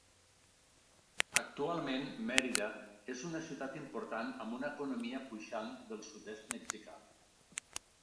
Actualment Mérida és una ciutat important amb una economia puixant del sud-est mexicà.